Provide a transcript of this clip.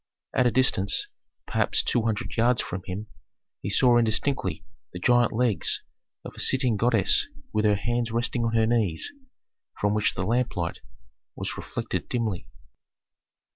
At a distance, perhaps two hundred yards from him, he saw indistinctly the gigantic legs of a sitting goddess with her hands resting on her knees, from which the lamplight was reflected dimly.